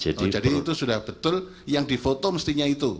jadi itu sudah betul yang di foto mestinya itu